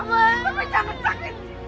tapi capek sakit